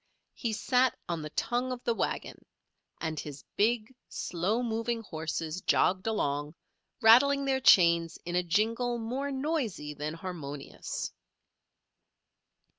He sat on the tongue of the wagon, and his big, slow moving horses jogged along, rattling their chains in a jingle more noisy than harmonious.